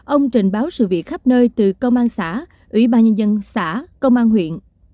ông trình báo sự việc khắp nơi từ công an xã ủy ba nhân dân xã công an huyện